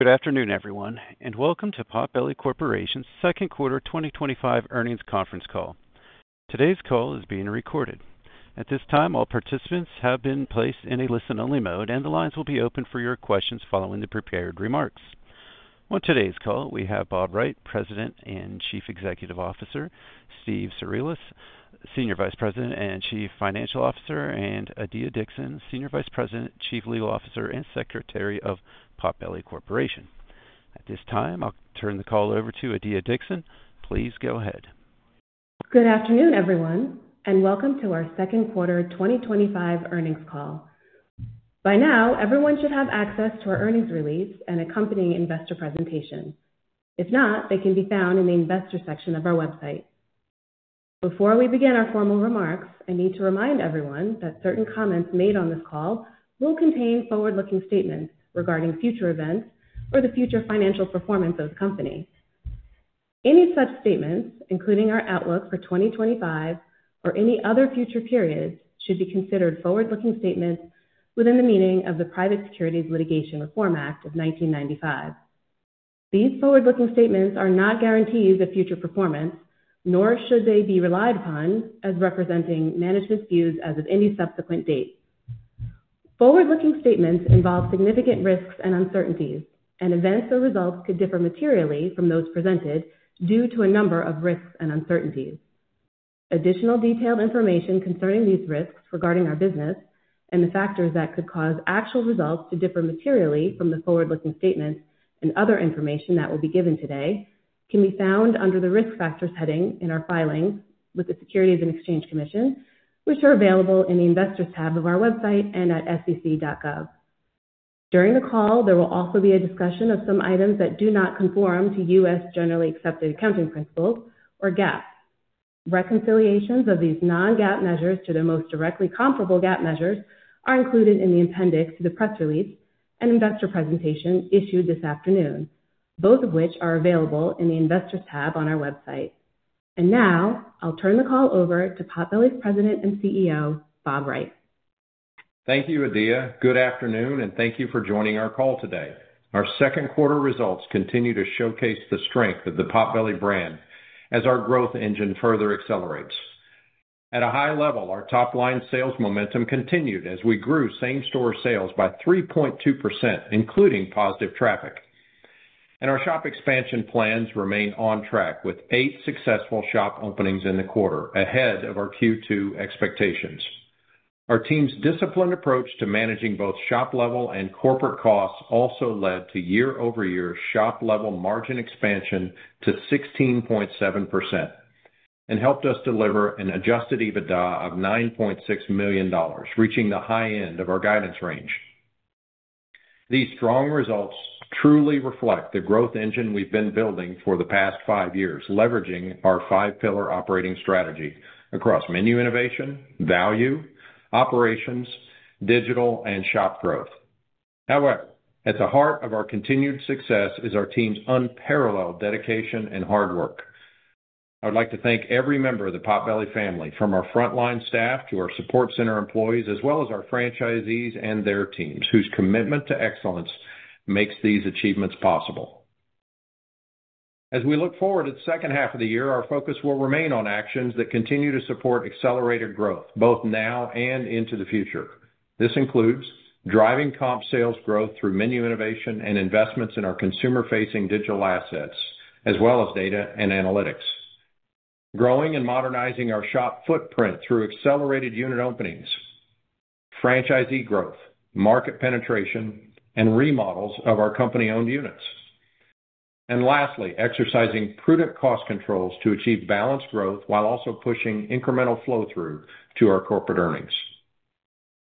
Good afternoon, everyone, and welcome to Potbelly Corporation's Second Quarter 2025 Earnings Conference Call. Today's call is being recorded. At this time, all participants have been placed in a listen-only mode, and the lines will be open for your questions following the prepared remarks. On today's call, we have Bob Wright, President and Chief Executive Officer, Steve Cirulis, Senior Vice President and Chief Financial Officer, and Adiya Dixon, Senior Vice President, Chief Legal Officer, and Secretary of Potbelly Corporation. At this time, I'll turn the call over to Adiya Dixon. Please go ahead. Good afternoon, everyone, and welcome to our second quarter 2025 earnings call. By now, everyone should have access to our earnings release and accompanying investor presentation. If not, they can be found in the investor section of our website. Before we begin our formal remarks, I need to remind everyone that certain comments made on this call will contain forward-looking statements regarding future events or the future financial performance of the company. Any such statements, including our outlook for 2025 or any other future period, should be considered forward-looking statements within the meaning of the Private Securities Litigation Reform Act of 1995. These forward-looking statements are not guarantees of future performance, nor should they be relied upon as representing management's views as of any subsequent date. Forward-looking statements involve significant risks and uncertainties, and events or results could differ materially from those presented due to a number of risks and uncertainties. Additional detailed information concerning these risks regarding our business and the factors that could cause actual results to differ materially from the forward-looking statements and other information that will be given today can be found under the Risk Factors heading in our filings with the Securities and Exchange Commission, which are available in the Investors tab of our website and at SEC.gov. During the call, there will also be a discussion of some items that do not conform to U.S. generally accepted accounting principles or GAAP. Reconciliations of these non-GAAP measures to the most directly comparable GAAP measures are included in the appendix to the press release and investor presentation issued this afternoon, both of which are available in the Investors tab on our website. Now, I'll turn the call over to Potbelly's President and CEO, Bob Wright. Thank you, Adiya. Good afternoon, and thank you for joining our call today. Our second quarter results continue to showcase the strength of the Potbelly brand as our growth engine further accelerates. At a high level, our top-line sales momentum continued as we grew same-store sales by 3.2%, including positive traffic. Our shop expansion plans remain on track with eight successful shop openings in the quarter, ahead of our Q2 expectations. Our team's disciplined approach to managing both shop-level and corporate costs also led to year-over-year shop-level margin expansion to 16.7% and helped us deliver an adjusted EBITDA of $9.6 million, reaching the high end of our guidance range. These strong results truly reflect the growth engine we've been building for the past five years, leveraging our five-pillar operating strategy across menu innovation, value, operations, digital, and shop growth. However, at the heart of our continued success is our team's unparalleled dedication and hard work. I would like to thank every member of the Potbelly family, from our front-line staff to our support center employees, as well as our franchisees and their teams, whose commitment to excellence makes these achievements possible. As we look forward to the second half of the year, our focus will remain on actions that continue to support accelerated growth, both now and into the future. This includes driving comp sales growth through menu innovation and investments in our consumer-facing digital assets, as well as data and analytics, growing and modernizing our shop footprint through accelerated unit openings, franchisee growth, market penetration, and remodels of our company-owned units. Lastly, exercising prudent cost controls to achieve balanced growth while also pushing incremental flow-through to our corporate earnings.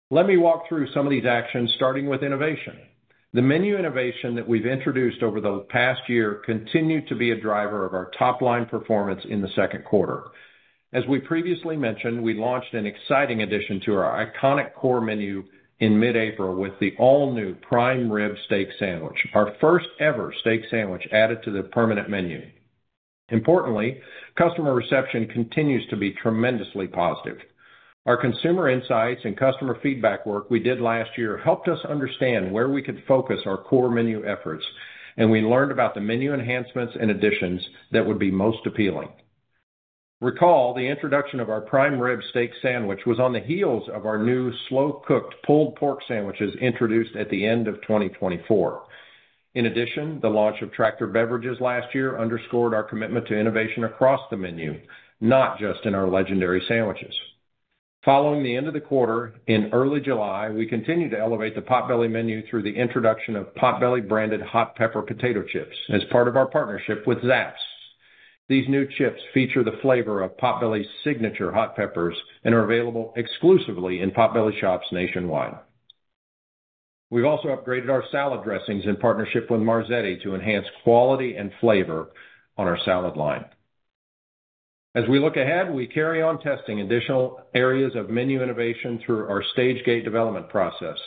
Let me walk through some of these actions, starting with innovation. The menu innovation that we've introduced over the past year continued to be a driver of our top-line performance in the second quarter. As we previously mentioned, we launched an exciting addition to our iconic core menu in mid-April with the all-new Prime Rib Steak Sandwich, our first-ever steak sandwich added to the permanent menu. Importantly, customer reception continues to be tremendously positive. Our consumer insights and customer feedback work we did last year helped us understand where we could focus our core menu efforts, and we learned about the menu enhancements and additions that would be most appealing. Recall, the introduction of our Prime Rib Steak Sandwich was on the heels of our new slow-cooked pulled pork sandwiches introduced at the end of 2024. In addition, the launch of Tractor Beverages last year underscored our commitment to innovation across the menu, not just in our legendary sandwiches. Following the end of the quarter in early July, we continue to elevate the Potbelly menu through the introduction of Potbelly-branded Hot Pepper Potato Chips as part of our partnership with Zapp's. These new chips feature the flavor of Potbelly's signature hot peppers and are available exclusively in Potbelly shops nationwide. We've also upgraded our salad dressings in partnership with Marzetti to enhance quality and flavor on our salad line. As we look ahead, we carry on testing additional areas of menu innovation through our stage-gate development process,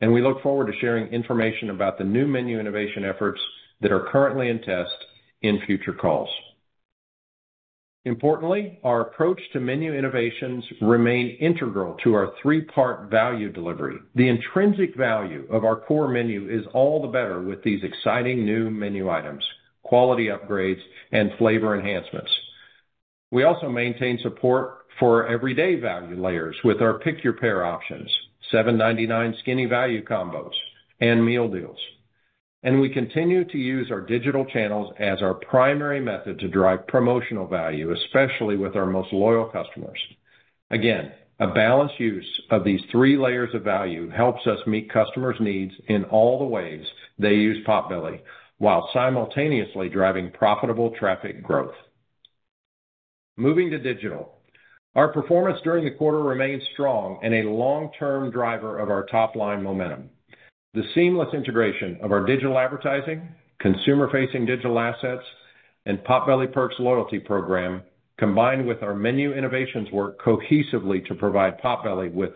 and we look forward to sharing information about the new menu innovation efforts that are currently in test in future calls. Importantly, our approach to menu innovations remains integral to our three-part value delivery. The intrinsic value of our core menu is all the better with these exciting new menu items, quality upgrades, and flavor enhancements. We also maintain support for everyday value layers with our pick-your-pair options, $7.99 skinny value combos, and meal deals. We continue to use our digital channels as our primary method to drive promotional value, especially with our most loyal customers. Again, a balanced use of these three layers of value helps us meet customers' needs in all the ways they use Potbelly, while simultaneously driving profitable traffic growth. Moving to digital, our performance during the quarter remains strong and a long-term driver of our top-line momentum. The seamless integration of our digital advertising, consumer-facing digital assets, and Potbelly Perks loyalty program, combined with our menu innovations, work cohesively to provide Potbelly with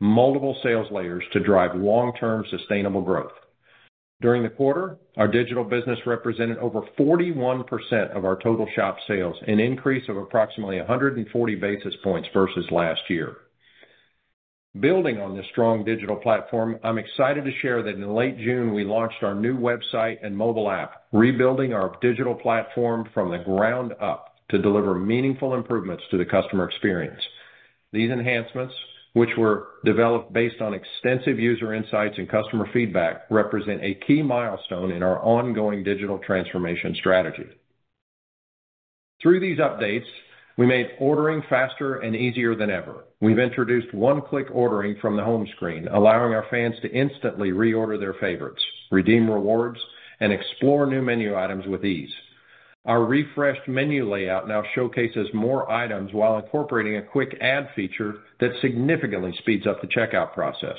multiple sales layers to drive long-term sustainable growth. During the quarter, our digital business represented over 41% of our total shop sales, an increase of approximately 140 basis points versus last year. Building on this strong digital platform, I'm excited to share that in late June, we launched our new website and mobile app, rebuilding our digital platform from the ground up to deliver meaningful improvements to the customer experience. These enhancements, which were developed based on extensive user insights and customer feedback, represent a key milestone in our ongoing digital transformation strategy. Through these updates, we made ordering faster and easier than ever. We've introduced one-click ordering from the home screen, allowing our fans to instantly reorder their favorites, redeem rewards, and explore new menu items with ease. Our refreshed menu layout now showcases more items while incorporating a quick add feature that significantly speeds up the checkout process.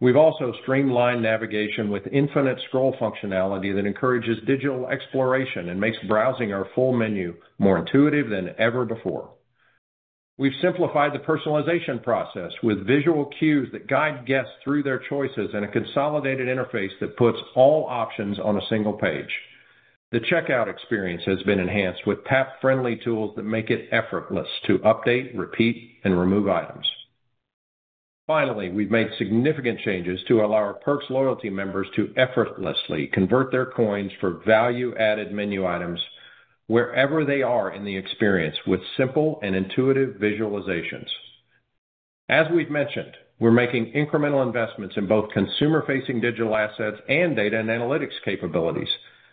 We've also streamlined navigation with infinite scroll functionality that encourages digital exploration and makes browsing our full menu more intuitive than ever before. We've simplified the personalization process with visual cues that guide guests through their choices and a consolidated interface that puts all options on a single page. The checkout experience has been enhanced with app-friendly tools that make it effortless to update, repeat, and remove items. Finally, we've made significant changes to allow our Perks loyalty members to effortlessly convert their coins for value-added menu items wherever they are in the experience with simple and intuitive visualizations. As we've mentioned, we're making incremental investments in both consumer-facing digital assets and data and analytics capabilities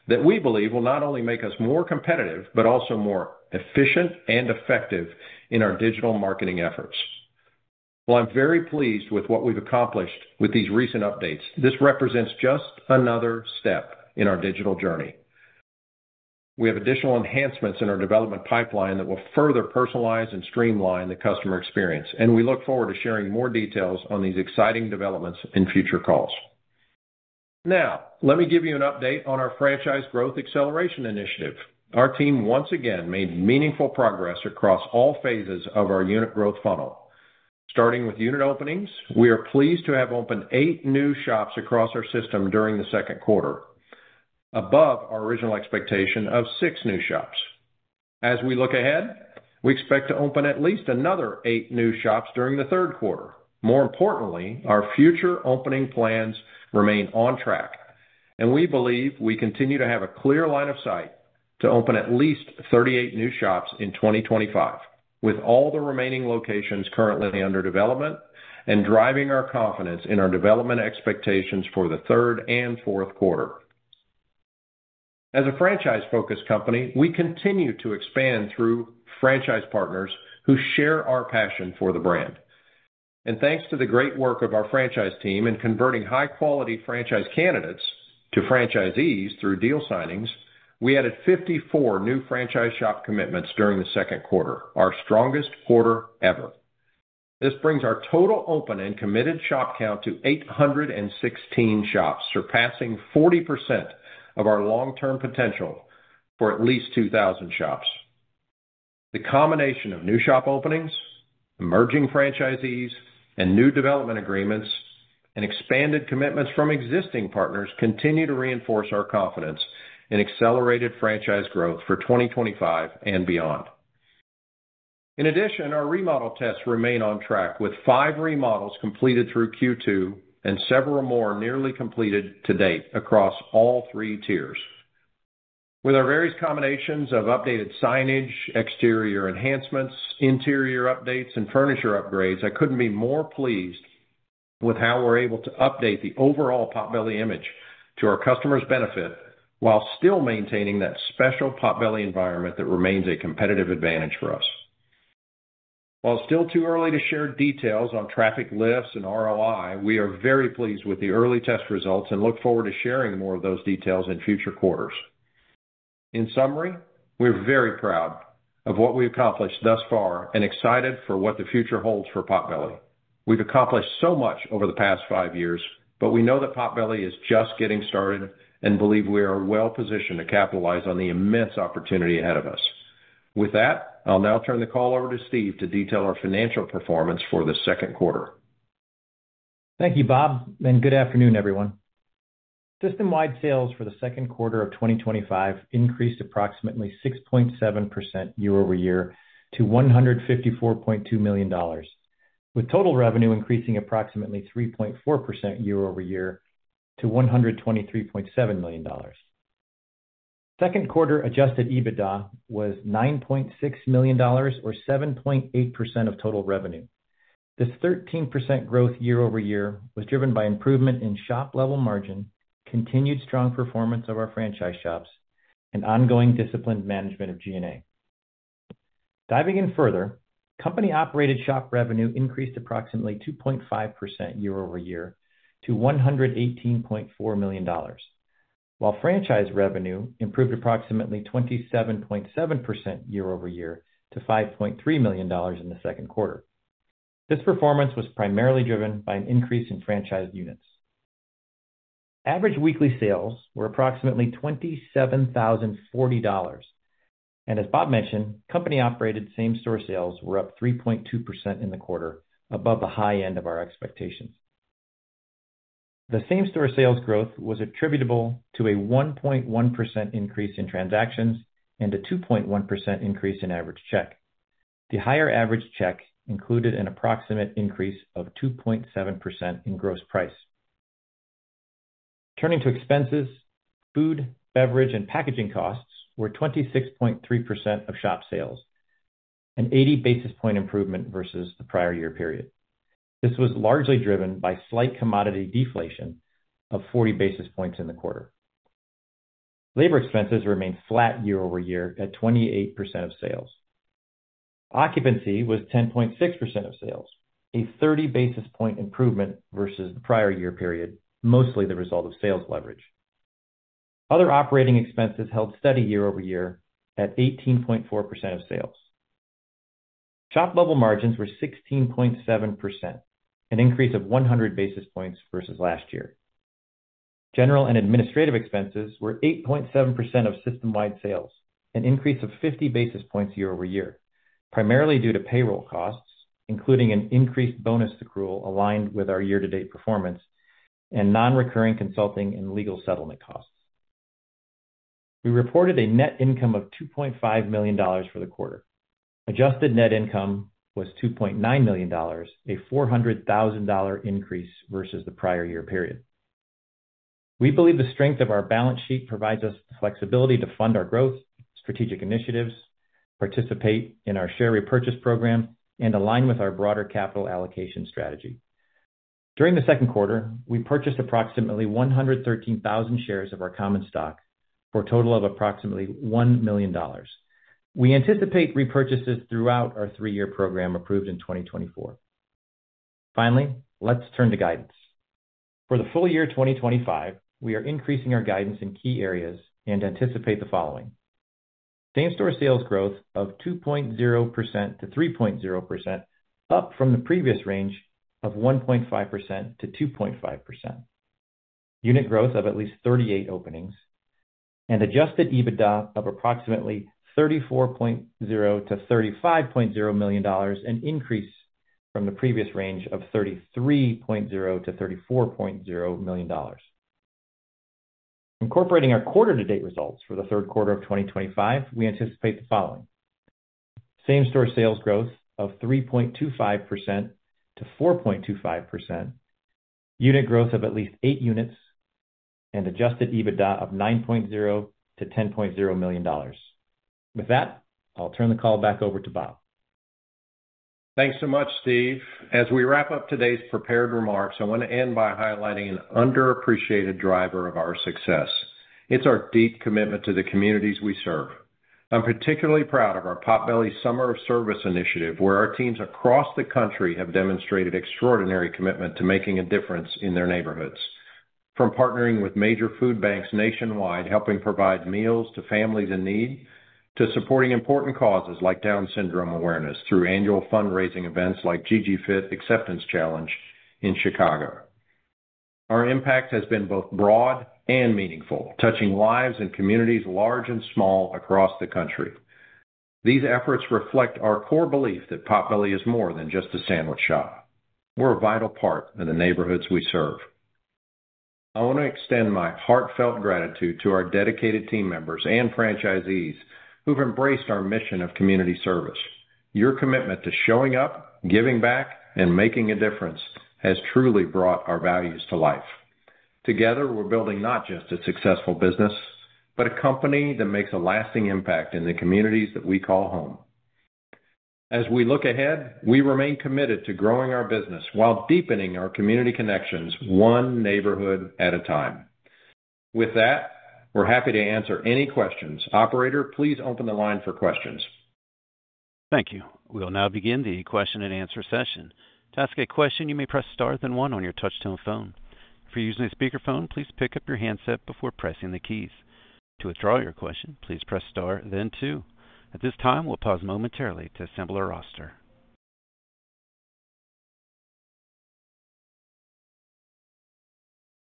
that we believe will not only make us more competitive but also more efficient and effective in our digital marketing efforts. While I'm very pleased with what we've accomplished with these recent updates, this represents just another step in our digital journey. We have additional enhancements in our development pipeline that will further personalize and streamline the customer experience, and we look forward to sharing more details on these exciting developments in future calls. Now, let me give you an update on our franchise growth acceleration initiative. Our team once again made meaningful progress across all phases of our unit growth funnel. Starting with unit openings, we are pleased to have opened eight new shops across our system during the second quarter, above our original expectation of six new shops. As we look ahead, we expect to open at least another eight new shops during the third quarter. More importantly, our future opening plans remain on track, and we believe we continue to have a clear line of sight to open at least 38 new shops in 2025, with all the remaining locations currently under development and driving our confidence in our development expectations for the third and fourth quarter. As a franchise-focused company, we continue to expand through franchise partners who share our passion for the brand. Thanks to the great work of our franchise team in converting high-quality franchise candidates to franchisees through deal signings, we added 54 new franchise shop commitments during the second quarter, our strongest quarter ever. This brings our total open and committed shop count to 816 shops, surpassing 40% of our long-term potential for at least 2,000 shops. The combination of new shop openings, emerging franchisees, and new development agreements, and expanded commitments from existing partners continue to reinforce our confidence in accelerated franchise growth for 2025 and beyond. In addition, our remodel tests remain on track, with five remodels completed through Q2 and several more nearly completed to date across all three tiers. With our various combinations of updated signage, exterior enhancements, interior updates, and furniture upgrades, I couldn't be more pleased with how we're able to update the overall Potbelly image to our customers' benefit while still maintaining that special Potbelly environment that remains a competitive advantage for us. While still too early to share details on traffic lifts and ROI, we are very pleased with the early test results and look forward to sharing more of those details in future quarters. In summary, we're very proud of what we've accomplished thus far and excited for what the future holds for Potbelly. We've accomplished so much over the past five years, but we know that Potbelly is just getting started and believe we are well-positioned to capitalize on the immense opportunity ahead of us. With that, I'll now turn the call over to Steve to detail our financial performance for the second quarter. Thank you, Bob, and good afternoon, everyone. System-wide sales for the second quarter of 2025 increased approximately 6.7% year-over-year to $154.2 million, with total revenue increasing approximately 3.4% year-over-year to $123.7 million. Second quarter adjusted EBITDA was $9.6 million, or 7.8% of total revenue. This 13% growth year-over-year was driven by improvement in shop-level margin, continued strong performance of our franchise shops, and ongoing disciplined management of G&A. Diving in further, company-operated shop revenue increased approximately 2.5% year-over-year to $118.4 million, while franchise revenue improved approximately 27.7% year-over-year to $5.3 million in the second quarter. This performance was primarily driven by an increase in franchise units. Average weekly sales were approximately $27,040, and as Bob mentioned, company-operated same-store sales were up 3.2% in the quarter, above the high end of our expectations. The same-store sales growth was attributable to a 1.1% increase in transactions and a 2.1% increase in average check. The higher average check included an approximate increase of 2.7% in gross price. Turning to expenses, food, beverage, and packaging costs were 26.3% of shop sales, an 80 basis point improvement versus the prior year period. This was largely driven by slight commodity deflation of 40 basis points in the quarter. Labor expenses remained flat year-over-year at 28% of sales. Occupancy was 10.6% of sales, a 30 basis point improvement versus the prior year period, mostly the result of sales leverage. Other operating expenses held steady year-over-year at 18.4% of sales. Shop-level margins were 16.7%, an increase of 100 basis points versus last year. General and administrative expenses were 8.7% of system-wide sales, an increase of 50 basis points year-over-year, primarily due to payroll costs, including an increased bonus accrual aligned with our year-to-date performance, and non-recurring consulting and legal settlement costs. We reported a net income of $2.5 million for the quarter. Adjusted net income was $2.9 million, a $400,000 increase versus the prior year period. We believe the strength of our balance sheet provides us the flexibility to fund our growth, strategic initiatives, participate in our share repurchase program, and align with our broader capital allocation strategy. During the second quarter, we purchased approximately 113,000 shares of our common stock for a total of approximately $1 million. We anticipate repurchases throughout our three-year program approved in 2024. Finally, let's turn to guidance. For the full year 2025, we are increasing our guidance in key areas and anticipate the following: same-store sales growth of 2.0%-3.0%, up from the previous range of 1.5%-2.5%, unit growth of at least 38 openings, and adjusted EBITDA of approximately $34.0 million-$35.0 million, an increase from the previous range of $33.0 million-$34.0 million. Incorporating our quarter-to-date results for the third quarter of 2025, we anticipate the following: same-store sales growth of 3.25%-4.25%, unit growth of at least eight units, and adjusted EBITDA of $9.0 million-$10.0 million. With that, I'll turn the call back over to Bob. Thanks so much, Steve. As we wrap up today's prepared remarks, I want to end by highlighting an underappreciated driver of our success. It's our deep commitment to the communities we serve. I'm particularly proud of our Potbelly Summer of Service initiative, where our teams across the country have demonstrated extraordinary commitment to making a difference in their neighborhoods. From partnering with major food banks nationwide, helping provide meals to families in need, to supporting important causes like Down Syndrome awareness through annual fundraising events like GG Fit Acceptance Challenge in Chicago, our impact has been both broad and meaningful, touching lives and communities, large and small, across the country. These efforts reflect our core belief that Potbelly is more than just a sandwich shop. We're a vital part of the neighborhoods we serve. I want to extend my heartfelt gratitude to our dedicated team members and franchisees who've embraced our mission of community service. Your commitment to showing up, giving back, and making a difference has truly brought our values to life. Together, we're building not just a successful business, but a company that makes a lasting impact in the communities that we call home. As we look ahead, we remain committed to growing our business while deepening our community connections, one neighborhood at a time. With that, we're happy to answer any questions. Operator, please open the line for questions. Thank you. We'll now begin the question and answer session. To ask a question, you may press star, then one on your touch-tone phone. If you're using a speaker phone, please pick up your handset before pressing the keys. To withdraw your question, please press star, then two. At this time, we'll pause momentarily to assemble our roster.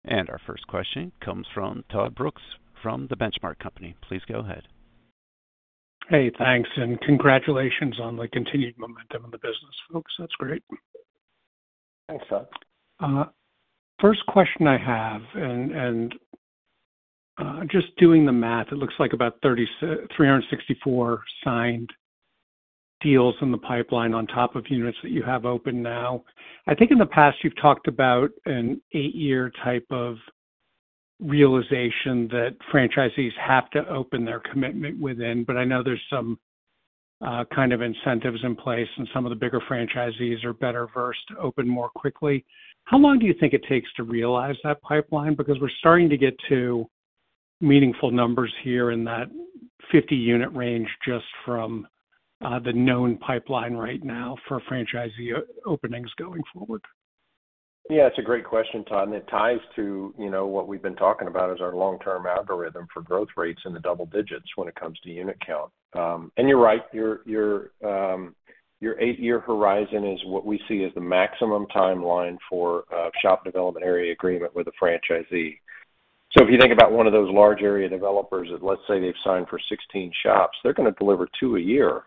Our first question comes from Todd Brooks from The Benchmark Company. Please go ahead. Hey, thanks, and congratulations on the continued momentum in the business, folks. That's great. Thanks, Todd. First question I have, and just doing the math, it looks like about 364 signed deals in the pipeline on top of units that you have open now. I think in the past you've talked about an eight-year type of realization that franchisees have to open their commitment within, but I know there's some kind of incentives in place, and some of the bigger franchisees are better versed to open more quickly. How long do you think it takes to realize that pipeline? Because we're starting to get to meaningful numbers here in that 50-unit range just from the known pipeline right now for franchisee openings going forward. Yeah, it's a great question, Todd. It ties to what we've been talking about as our long-term algorithm for growth rates in the double digits when it comes to unit count. You're right, your eight-year horizon is what we see as the maximum timeline for a shop development area agreement with a franchisee. If you think about one of those large area developers that, let's say, they've signed for 16 shops, they're going to deliver two a year.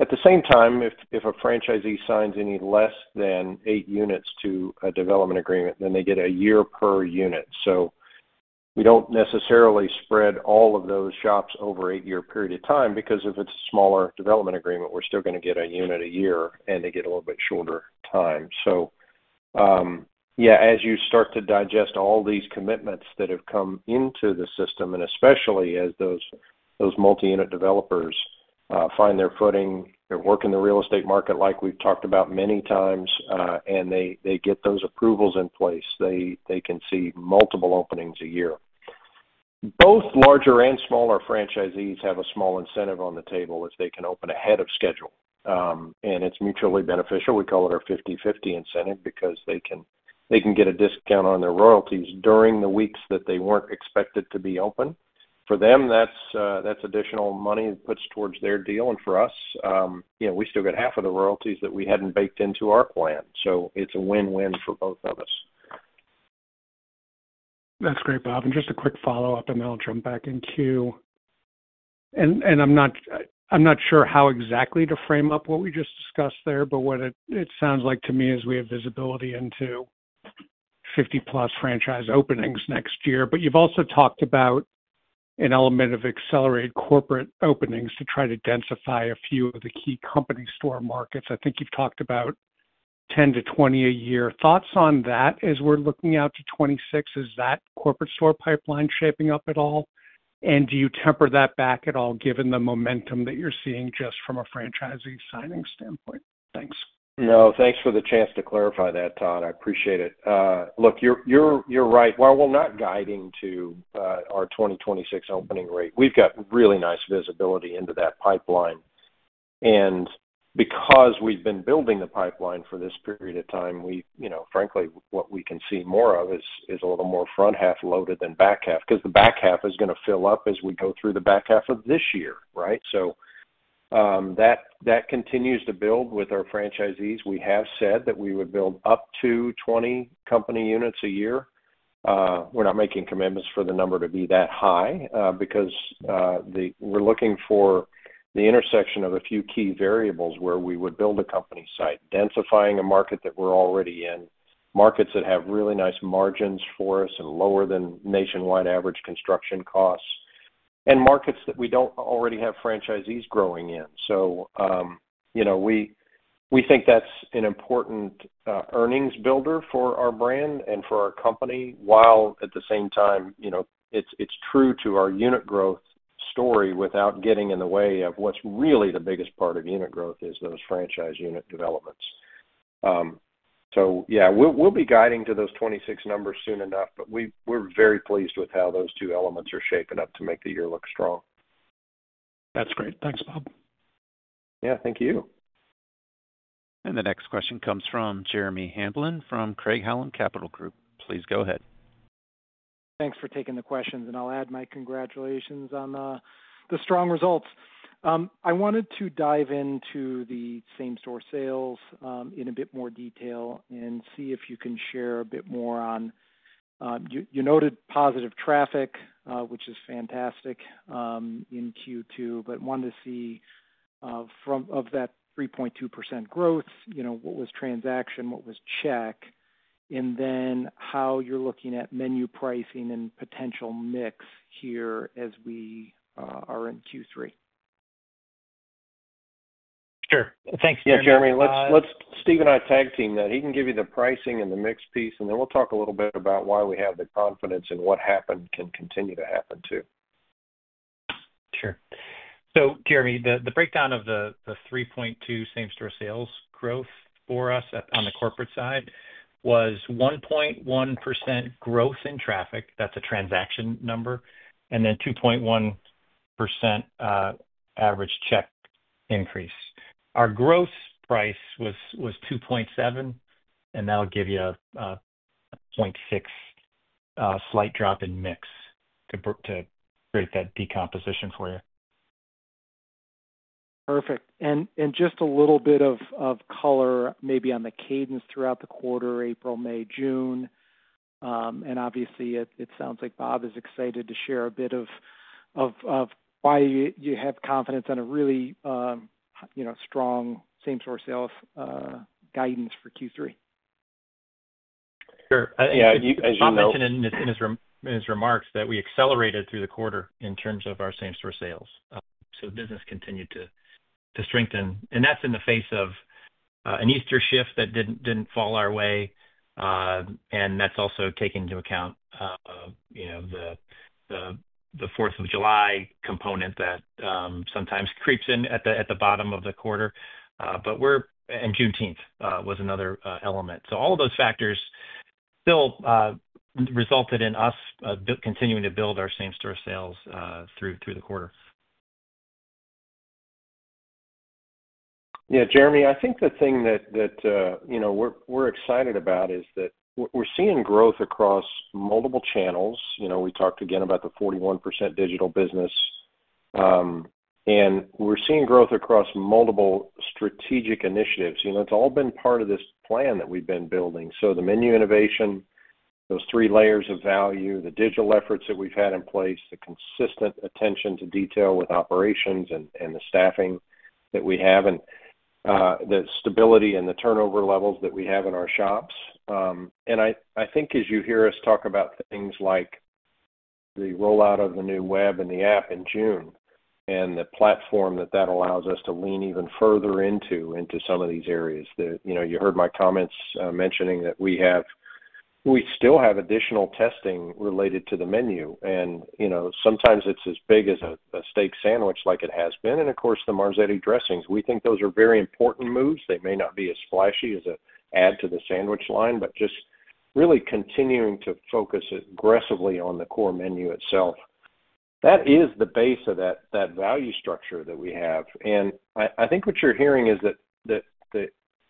At the same time, if a franchisee signs any less than eight units to a development agreement, then they get a year per unit. We don't necessarily spread all of those shops over an eight-year period of time because if it's a smaller development agreement, we're still going to get a unit a year, and they get a little bit shorter time. As you start to digest all these commitments that have come into the system, and especially as those multi-unit developers find their footing, they're working the real estate market like we've talked about many times, and they get those approvals in place, they can see multiple openings a year. Both larger and smaller franchisees have a small incentive on the table if they can open ahead of schedule. It's mutually beneficial. We call it our 50/50 incentive because they can get a discount on their royalties during the weeks that they weren't expected to be open. For them, that's additional money that puts towards their deal. For us, we still get half of the royalties that we hadn't baked into our plan. It's a win-win for both of us. That's great, Bob. Just a quick follow-up, I'm not sure how exactly to frame up what we just discussed there, but what it sounds like to me is we have visibility into 50+ franchise openings next year. You've also talked about an element of accelerated corporate openings to try to densify a few of the key company store markets. I think you've talked about 10-20 a year. Thoughts on that as we're looking out to 2026? Is that corporate store pipeline shaping up at all? Do you temper that back at all given the momentum that you're seeing just from a franchisee signing standpoint? Thanks. No, thanks for the chance to clarify that, Todd. I appreciate it. Look, you're right. While we're not guiding to our 2026 opening rate, we've got really nice visibility into that pipeline. Because we've been building the pipeline for this period of time, frankly, what we can see more of is a little more front half loaded than back half because the back half is going to fill up as we go through the back half of this year, right? That continues to build with our franchisees. We have said that we would build up to 20 company units a year. We're not making commitments for the number to be that high because we're looking for the intersection of a few key variables where we would build a company site, densifying a market that we're already in, markets that have really nice margins for us and lower than nationwide average construction costs, and markets that we don't already have franchisees growing in. We think that's an important earnings builder for our brand and for our company while, at the same time, it's true to our unit growth story without getting in the way of what's really the biggest part of unit growth, which is those franchise unit developments. We'll be guiding to those 2026 numbers soon enough, but we're very pleased with how those two elements are shaping up to make the year look strong. That's great. Thanks, Bob. Yeah, thank you. The next question comes from Jeremy Hamblin from Craig-Hallum Capital Group. Please go ahead. Thanks for taking the questions, and I'll add my congratulations on the strong results. I wanted to dive into the same-store sales in a bit more detail and see if you can share a bit more on you noted positive traffic, which is fantastic in Q2. I wanted to see from that 3.2% growth, what was transaction, what was check, and then how you're looking at menu pricing and potential mix here as we are in Q3. Sure. Thanks, Jeremy. Let Steve and I tag team that. He can give you the pricing and the mix piece, and then we'll talk a little bit about why we have the confidence and what happened can continue to happen too. Sure. Jeremy, the breakdown of the 3.2% same-store sales growth for us on the corporate side was 1.1% growth in traffic. That's a transaction number, and then 2.1% average check increase. Our growth price was 2.7%, and that'll give you a 0.6% slight drop in mix to create that decomposition for you. Perfect. Just a little bit of color maybe on the cadence throughout the quarter: April, May, June. Obviously, it sounds like Bob is excited to share a bit of why you have confidence on a really strong same-store sales guidance for Q3. Sure. As you mentioned in his remarks, we accelerated through the quarter in terms of our same-store sales. Business continued to strengthen. That is in the face of an Easter shift that didn't fall our way. That is also taking into account the 4th of July component that sometimes creeps in at the bottom of the quarter. June 10th was another element. All of those factors still resulted in us continuing to build our same-store sales through the quarter. Yeah, Jeremy, I think the thing that we're excited about is that we're seeing growth across multiple channels. We talked again about the 41% digital business, and we're seeing growth across multiple strategic initiatives. It's all been part of this plan that we've been building. The menu innovation, those three layers of value, the digital efforts that we've had in place, the consistent attention to detail with operations and the staffing that we have, and the stability and the turnover levels that we have in our shops. I think as you hear us talk about things like the rollout of the new web and the app in June and the platform that allows us to lean even further into some of these areas. You heard my comments mentioning that we still have additional testing related to the menu. Sometimes it's as big as a Steak Sandwich like it has been. Of course, the Marzetti dressings, we think those are very important moves. They may not be as flashy as an add to the sandwich line, but just really continuing to focus aggressively on the core menu itself. That is the base of that value structure that we have. I think what you're hearing is that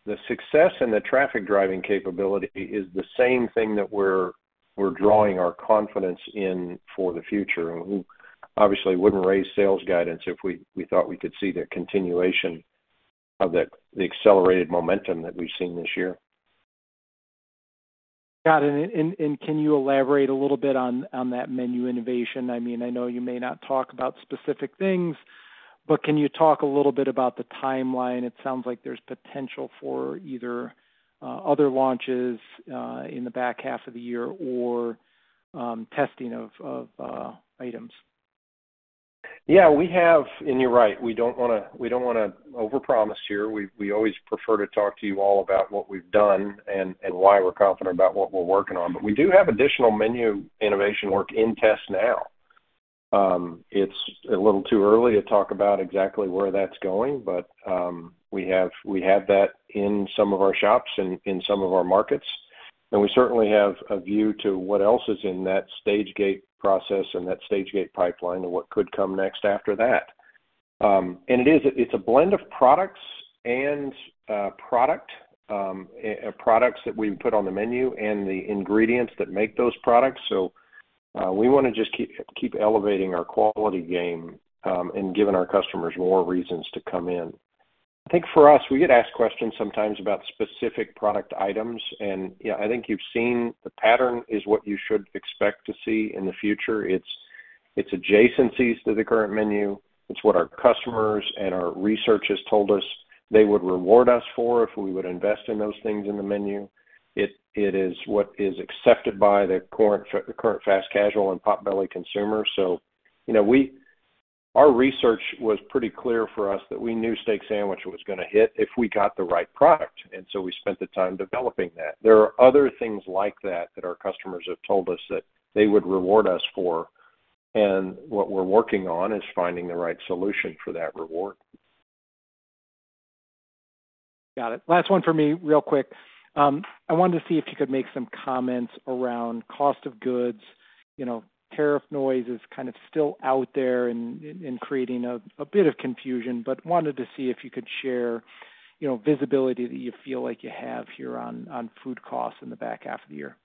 the success and the traffic driving capability is the same thing that we're drawing our confidence in for the future. We obviously wouldn't raise sales guidance if we thought we could see the continuation of the accelerated momentum that we've seen this year. Got it. Can you elaborate a little bit on that menu innovation? I mean, I know you may not talk about specific things, but can you talk a little bit about the timeline? It sounds like there's potential for either other launches in the back half of the year or testing of items. Yeah, we have, and you're right, we don't want to overpromise here. We always prefer to talk to you all about what we've done and why we're confident about what we're working on. We do have additional menu innovation work in test now. It's a little too early to talk about exactly where that's going, but we have that in some of our shops and in some of our markets. We certainly have a view to what else is in that stage gate process or in that stage gate pipeline and what could come next after that. It is a blend of products and products that we put on the menu and the ingredients that make those products. We want to just keep elevating our quality game and giving our customers more reasons to come in. I think for us, we get asked questions sometimes about specific product items. I think you've seen the pattern is what you should expect to see in the future. It's adjacencies to the current menu. It's what our customers and our research has told us they would reward us for if we would invest in those things in the menu. It is what is accepted by the current fast casual and Potbelly consumers. Our research was pretty clear for us that we knew Steak Sandwich was going to hit if we got the right product. We spent the time developing that. There are other things like that that our customers have told us that they would reward us for. What we're working on is finding the right solution for that reward. Got it. Last one for me real quick. I wanted to see if you could make some comments around cost of goods. You know, tariff noise is kind of still out there and creating a bit of confusion, but wanted to see if you could share, you know, visibility that you feel like you have here on food costs in the back half of the year.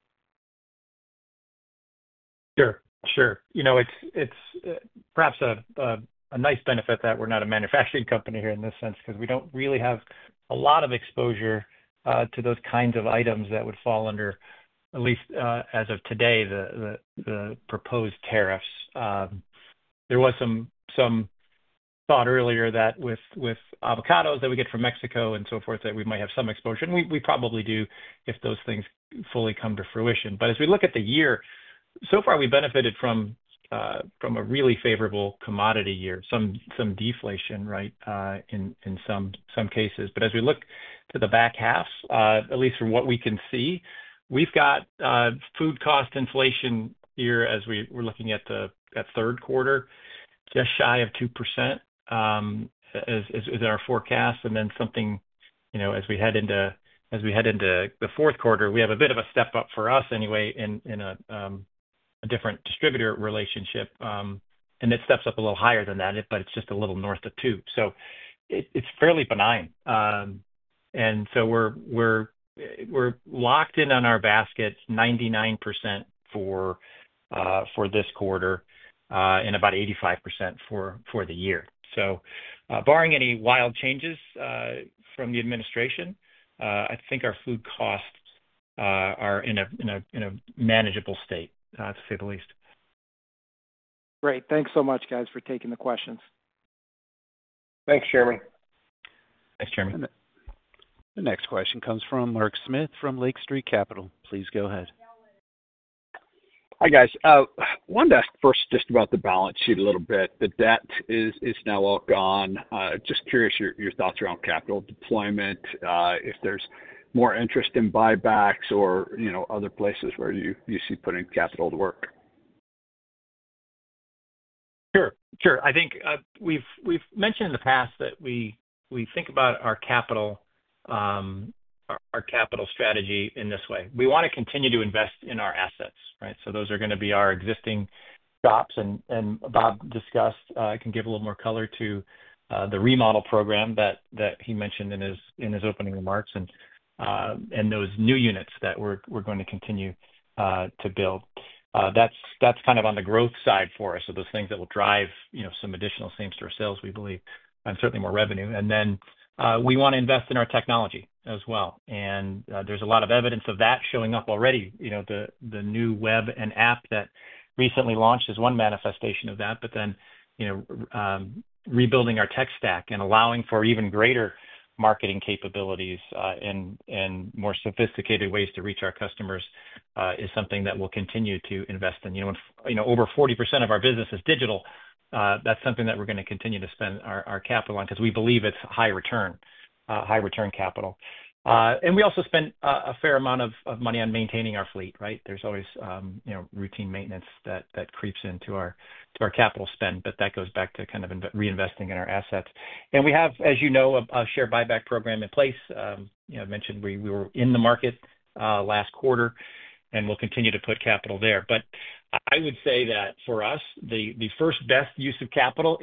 Sure, sure. It's perhaps a nice benefit that we're not a manufacturing company here in this sense because we don't really have a lot of exposure to those kinds of items that would fall under, at least as of today, the proposed tariffs. There was some thought earlier that with avocados that we get from Mexico and so forth, we might have some exposure. We probably do if those things fully come to fruition. As we look at the year, so far we benefited from a really favorable commodity year, some deflation, right, in some cases. As we look to the back half, at least from what we can see, we've got food cost inflation here as we're looking at the third quarter, just shy of 2% is our forecast. As we head into the fourth quarter, we have a bit of a step up for us anyway in a different distributor relationship. It steps up a little higher than that, but it's just a little north of 2%. It's fairly benign. We're locked in on our baskets 99% for this quarter and about 85% for the year. Barring any wild changes from the administration, I think our food costs are in a manageable state, to say the least. Great. Thanks so much, guys, for taking the questions. Thanks, Jeremy. Thanks, Jeremy. The next question comes from Mark Smith from Lake Street Capital. Please go ahead. Hi, guys. Wanted to ask first just about the balance sheet a little bit. The debt is now all gone. Just curious your thoughts around capital deployment, if there's more interest in buybacks or, you know, other places where you see putting capital to work. Sure. I think we've mentioned in the past that we think about our capital strategy in this way. We want to continue to invest in our assets, right? Those are going to be our existing shops. As Bob discussed, I can give a little more color to the remodel program that he mentioned in his opening remarks and those new units that we're going to continue to build. That's kind of on the growth side for us. Those things will drive some additional same-store sales, we believe, and certainly more revenue. We want to invest in our technology as well. There's a lot of evidence of that showing up already. The new web and app that recently launched is one manifestation of that. Rebuilding our tech stack and allowing for even greater marketing capabilities and more sophisticated ways to reach our customers is something that we'll continue to invest in. Over 40% of our business is digital. That's something that we're going to continue to spend our capital on because we believe it's high return, high return capital. We also spend a fair amount of money on maintaining our fleet, right? There's always routine maintenance that creeps into our capital spend, but that goes back to reinvesting in our assets. We have, as you know, a share repurchase program in place. I mentioned we were in the market last quarter, and we'll continue to put capital there. I would say that for us, the first best use of capital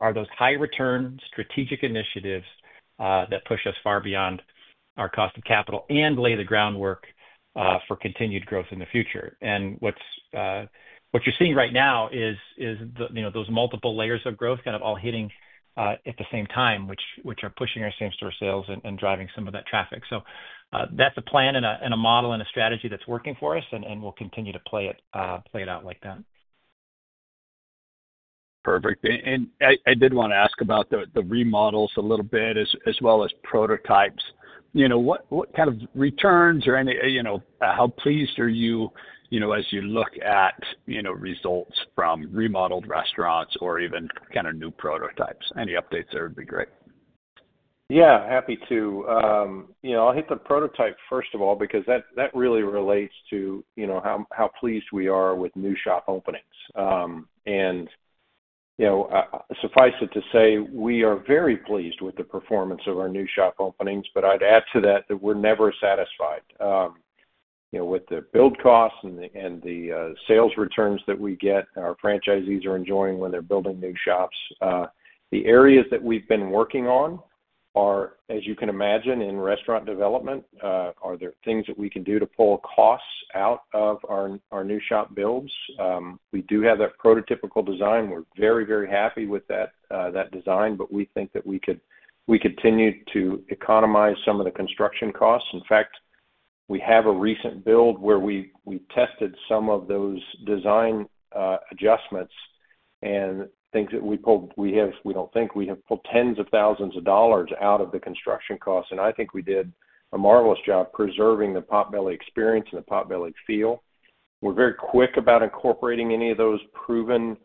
are those high-return strategic initiatives that push us far beyond our cost of capital and lay the groundwork for continued growth in the future. What you're seeing right now is those multiple layers of growth kind of all hitting at the same time, which are pushing our same-store sales and driving some of that traffic. That's a plan and a model and a strategy that's working for us, and we'll continue to play it out like that. Perfect. I did want to ask about the remodels a little bit, as well as prototypes. What kind of returns or any, how pleased are you as you look at results from remodeled restaurants or even kind of new prototypes? Any updates there would be great. Yeah, happy to. I'll hit the prototype first of all because that really relates to how pleased we are with new shop openings. Suffice it to say, we are very pleased with the performance of our new shop openings, but I'd add to that that we're never satisfied. With the build costs and the sales returns that we get, our franchisees are enjoying when they're building new shops. The areas that we've been working on are, as you can imagine, in restaurant development. Are there things that we can do to pull costs out of our new shop builds? We do have that prototypical design. We're very, very happy with that design, but we think that we could continue to economize some of the construction costs. In fact, we have a recent build where we tested some of those design adjustments and things that we pulled. We have, we don't think, we have pulled tens of thousands of dollars out of the construction costs. I think we did a marvelous job preserving the Potbelly experience and the Potbelly feel. We're very quick about incorporating any of those proven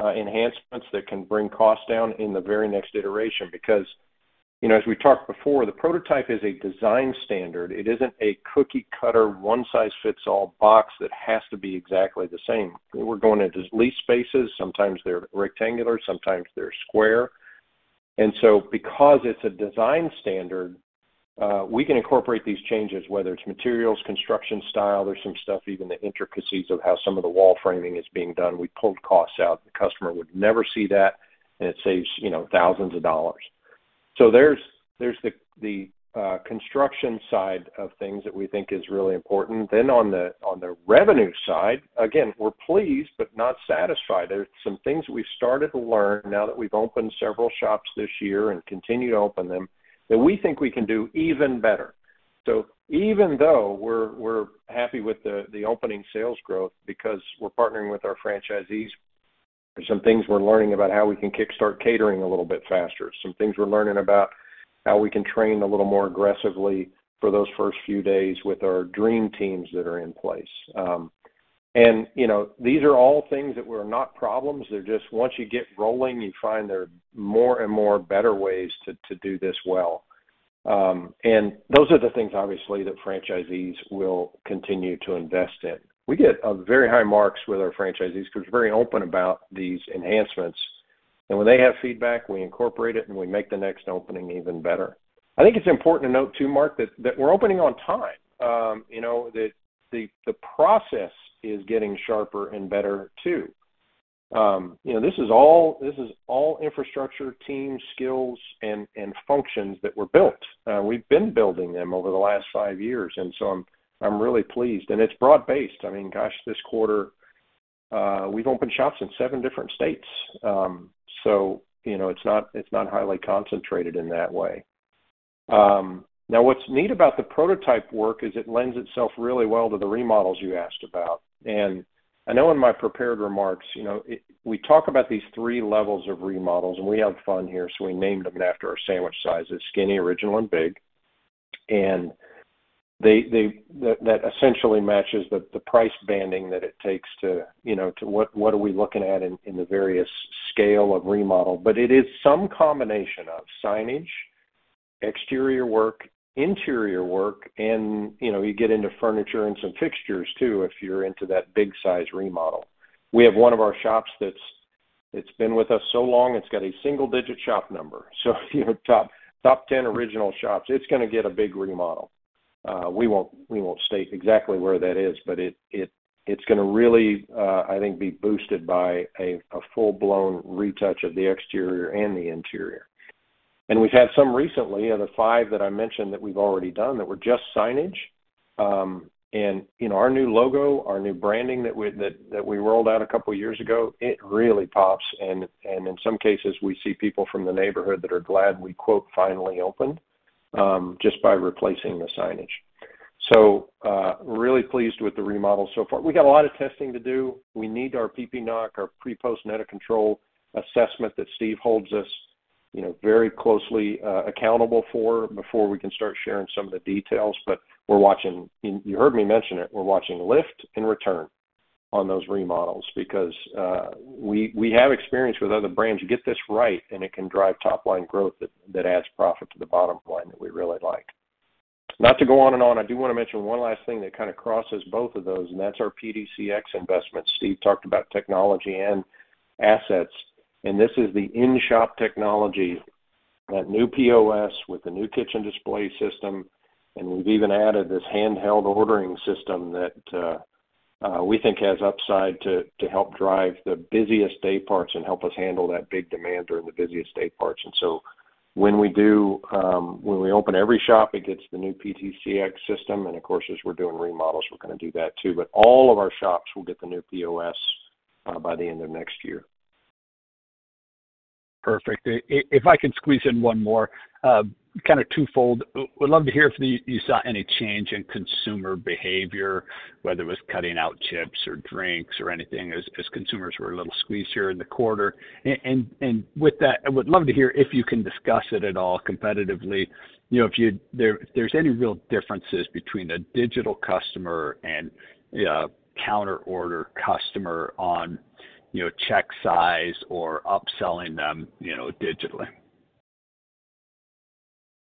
enhancements that can bring costs down in the very next iteration because, as we talked before, the prototype is a design standard. It isn't a cookie-cutter, one-size-fits-all box that has to be exactly the same. We're going into lease spaces. Sometimes they're rectangular. Sometimes they're square. Because it's a design standard, we can incorporate these changes, whether it's materials, construction style, or some stuff, even the intricacies of how some of the wall framing is being done. We pulled costs out. The customer would never see that. It saves thousands of dollars. There's the construction side of things that we think is really important. On the revenue side, again, we're pleased but not satisfied. There's some things that we've started to learn now that we've opened several shops this year and continue to open them that we think we can do even better. Even though we're happy with the opening sales growth because we're partnering with our franchisees, there's some things we're learning about how we can kickstart catering a little bit faster. Some things we're learning about how we can train a little more aggressively for those first few days with our dream teams that are in place. These are all things that were not problems. Once you get rolling, you find there are more and more better ways to do this well. Those are the things, obviously, that franchisees will continue to invest in. We get very high marks with our franchisees because we're very open about these enhancements. When they have feedback, we incorporate it and we make the next opening even better. I think it's important to note, too, Mark, that we're opening on time. The process is getting sharper and better, too. This is all infrastructure team skills and functions that were built. We've been building them over the last five years. I'm really pleased. It's broad-based. Gosh, this quarter, we've opened shops in seven different states. It's not highly concentrated in that way. What's neat about the prototype work is it lends itself really well to the remodels you asked about. I know in my prepared remarks, we talk about these three levels of remodels, and we have fun here. We named them after our sandwich sizes: skinny, original, and big. That essentially matches the price banding that it takes to, you know, what are we looking at in the various scale of remodel. It is some combination of signage, exterior work, interior work, and you get into furniture and some fixtures, too, if you're into that big-size remodel. We have one of our shops that's been with us so long, it's got a single-digit shop number. Top 10 original shops, it's going to get a big remodel. We won't state exactly where that is, but it's going to really, I think, be boosted by a full-blown retouch of the exterior and the interior. We've had some recently, the five that I mentioned that we've already done that were just signage. Our new logo, our new branding that we rolled out a couple of years ago, it really pops. In some cases, we see people from the neighborhood that are glad we "finally opened" just by replacing the signage. Really pleased with the remodel so far. We got a lot of testing to do. We need our PPNOC, our pre-post net of control assessment that Steve holds us very closely accountable for before we can start sharing some of the details. We're watching, you heard me mention it, we're watching lift and return on those remodels because we have experience with other brands. Get this right, and it can drive top-line growth that adds profit to the bottom line that we really liked. I do want to mention one last thing that kind of crosses both of those, and that's our PDCX investment. Steve talked about technology and assets. This is the in-shop technology, that new POS with the new kitchen display system. We've even added this handheld ordering system that we think has upside to help drive the busiest day parts and help us handle that big demand during the busiest day parts. When we open every shop, it gets the new PDCX system. Of course, as we're doing remodels, we're going to do that, too. All of our shops will get the new POS by the end of next year. Perfect. If I can squeeze in one more, kind of twofold, we'd love to hear if you saw any change in consumer behavior, whether it was cutting out chips or drinks or anything as consumers were a little squeezier in the quarter. With that, I would love to hear if you can discuss it at all competitively. You know, if there's any real differences between a digital customer and a counter-order customer on, you know, check size or upselling them, you know, digitally.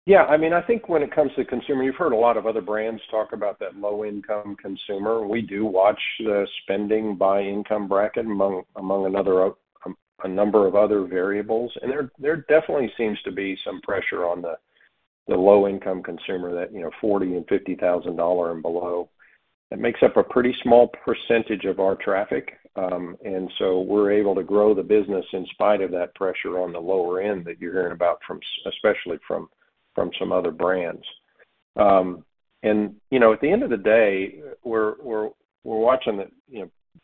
Yeah, I mean, I think when it comes to consumer, you've heard a lot of other brands talk about that low-income consumer. We do watch the spending by income bracket among a number of other variables. There definitely seems to be some pressure on the low-income consumer, that, you know, $40,000 and $50,000 and below. That makes up a pretty small percentage of our traffic, so we're able to grow the business in spite of that pressure on the lower end that you're hearing about, especially from some other brands. At the end of the day, we're watching that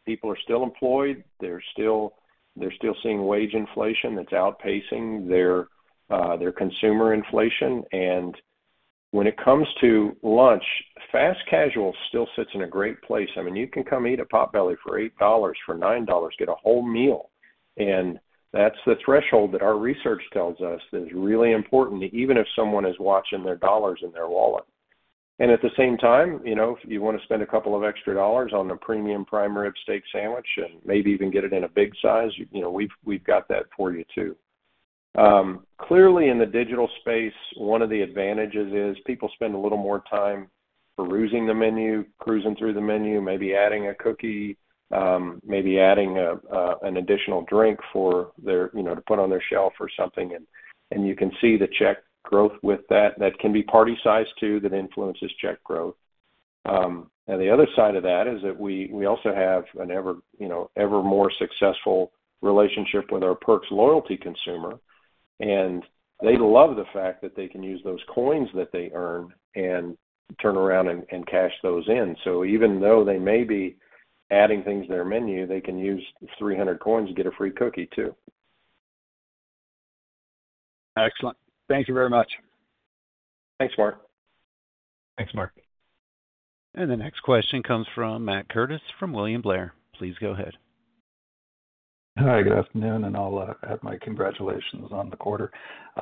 people are still employed. They're still seeing wage inflation that's outpacing their consumer inflation. When it comes to lunch, fast casual still sits in a great place. I mean, you can come eat at Potbelly for $8, for $9, get a whole meal. That's the threshold that our research tells us is really important, even if someone is watching their dollars in their wallet. At the same time, if you want to spend a couple of extra dollars on a premium Prime Rib Steak Sandwich and maybe even get it in a big size, we've got that for you, too. Clearly, in the digital space, one of the advantages is people spend a little more time perusing the menu, cruising through the menu, maybe adding a cookie, maybe adding an additional drink for their, you know, to put on their shelf or something. You can see the check growth with that. That can be party size, too, that influences check growth. The other side of that is that we also have an ever more successful relationship with our Perks loyalty consumer. They love the fact that they can use those coins that they earn and turn around and cash those in. Even though they may be adding things to their menu, they can use 300 coins to get a free cookie, too. Excellent. Thank you very much. Thanks, Mark. Thanks, Mark. The next question comes from Matt Curtis from William Blair. Please go ahead. Hi, good afternoon, and I'll add my congratulations on the quarter.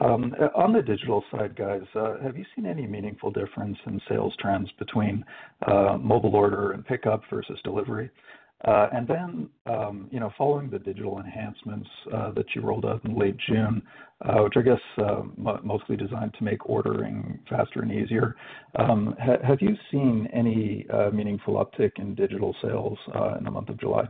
On the digital side, guys, have you seen any meaningful difference in sales trends between mobile order and pickup versus delivery? Following the digital enhancements that you rolled out in late June, which I guess were mostly designed to make ordering faster and easier, have you seen any meaningful uptick in digital sales in the month of July?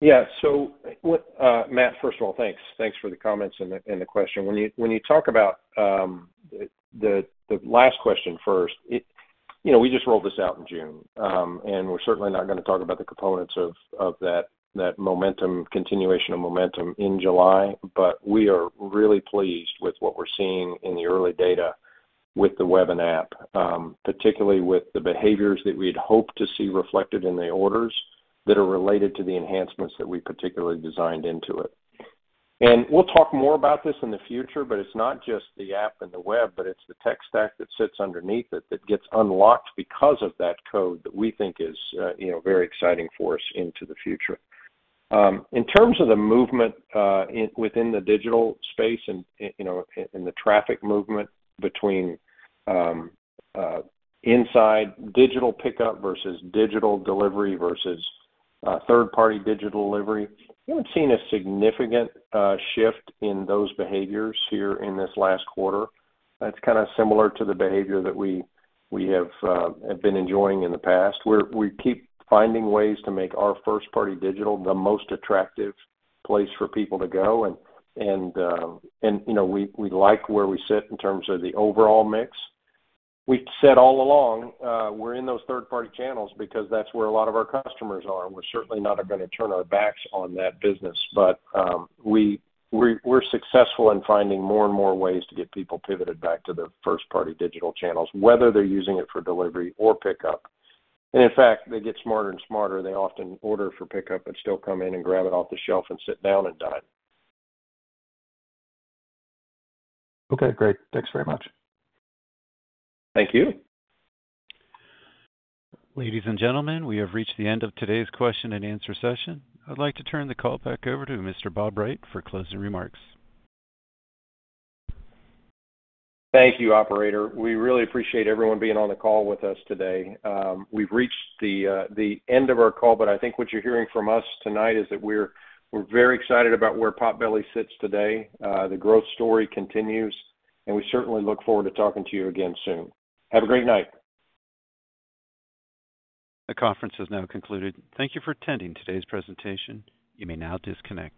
Yeah, so Matt, first of all, thanks. Thanks for the comments and the question. When you talk about the last question first, you know, we just rolled this out in June. We're certainly not going to talk about the components of that continuation of momentum in July, but we are really pleased with what we're seeing in the early data with the web and app, particularly with the behaviors that we'd hoped to see reflected in the orders that are related to the enhancements that we particularly designed into it. We'll talk more about this in the future, but it's not just the app and the web, it's the tech stack that sits underneath it that gets unlocked because of that code that we think is very exciting for us into the future. In terms of the movement within the digital space and in the traffic movement between inside digital pickup versus digital delivery versus third-party digital delivery, you haven't seen a significant shift in those behaviors here in this last quarter. That's kind of similar to the behavior that we have been enjoying in the past. We keep finding ways to make our first-party digital the most attractive place for people to go. You know, we like where we sit in terms of the overall mix. We said all along, we're in those third-party channels because that's where a lot of our customers are. We're certainly not going to turn our backs on that business. We're successful in finding more and more ways to get people pivoted back to the first-party digital channels, whether they're using it for delivery or pickup. In fact, they get smarter and smarter. They often order for pickup, but still come in and grab it off the shelf and sit down and dine. Okay, great. Thanks very much. Thank you. Ladies and gentlemen, we have reached the end of today's question and answer session. I'd like to turn the call back over to Mr. Bob Wright for closing remarks. Thank you, Operator. We really appreciate everyone being on the call with us today. We've reached the end of our call, but I think what you're hearing from us tonight is that we're very excited about where Potbelly sits today. The growth story continues, and we certainly look forward to talking to you again soon. Have a great night. The conference has now concluded. Thank you for attending today's presentation. You may now disconnect.